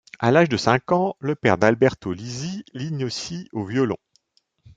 À l'âge de cinq ans, le père d'Alberto Lysy l'initie au violon.